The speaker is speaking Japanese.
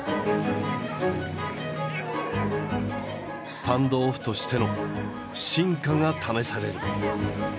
スタンドオフとしての真価が試される。